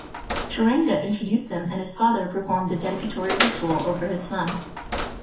Taranga introduced them and his father performed the dedicatory ritual over his son.